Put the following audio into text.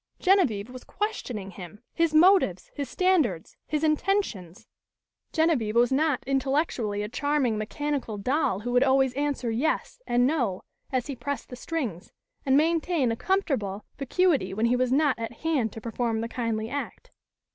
Genevieve was questioning him, his motives, his standards, his intentions! Genevieve was not intellectually a charming mechanical doll who would always answer "yes" and "no" as he pressed the strings, and maintain a comfortable vacuity when he was not at hand to perform the kindly act.